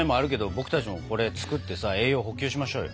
僕たちもこれ作ってさ栄養補給しましょうよ。